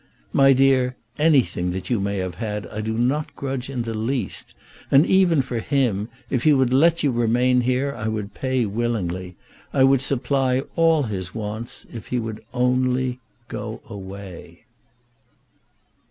"My dear, anything that you may have had I do not grudge in the least. And even for him, if he would let you remain here, I would pay willingly. I would supply all his wants if he would only go away."